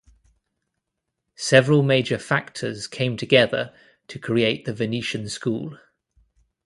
Several major factors came together to create the Venetian School.